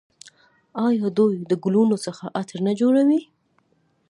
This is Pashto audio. آیا دوی د ګلونو څخه عطر نه جوړوي؟